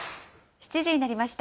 ７時になりました。